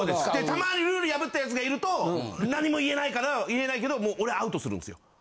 たまにルール破ったやつがいると何も言えないから言えないけど俺アウトするんすよ。